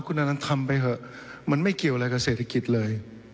คุณอนันต์ทำไปเถอะมันไม่เกี่ยวอะไรกับเศรษฐกิจเลย